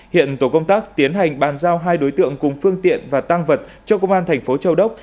hiện tổ công tác tiến hành bàn giao hai đối tượng cùng phương tiện và tăng vật cho công an thành phố châu đốc